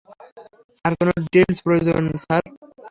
আর কোনো ডিটেইলস প্রয়োজন, স্যার?